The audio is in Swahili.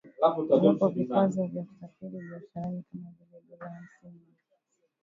iwapo vikwazo vya kusafiri na biashara kama vile dola hamsini ya visa vimeondolewa